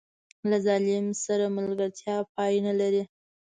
له ظالم سره ملګرتیا پای نه لري.